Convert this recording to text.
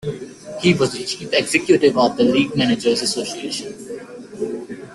He was the chief executive of the League Managers Association.